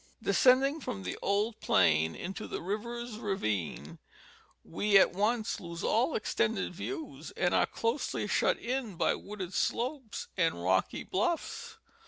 Descend ing from the old plain into the river's ravine, we at once lose all extended views and are closely shut in by wooded slopes and rocky bluffs.